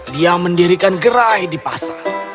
dia mendirikan gerai di pasar